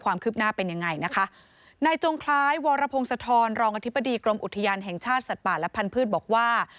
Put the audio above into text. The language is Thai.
ความคืบหน้าเป็นยังไงนะคะนายจงคล้ายวรพงศธรรองอธิบดีกรมอุทยานแห่งชาติสัตว์ป่าและพันธุ์บอกว่า